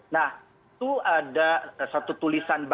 nah itu ada satu tulisan